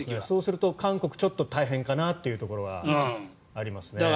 そうすると韓国はちょっと大変かなというところはありますね。